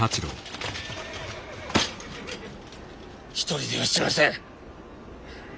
一人では死なせん。